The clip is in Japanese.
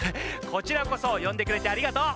こちらこそよんでくれてありがとう。